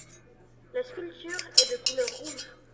La sculpture est de couleur rouge.